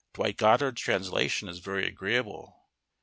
(Dwight Goddard's translation is very agreeable.)